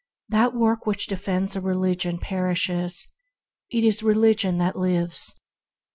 That work which defends a religion perishes; it is religion that lives.